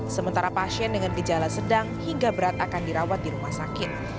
sementara pasien dengan gejala sedang hingga berat akan dirawat di rumah sakit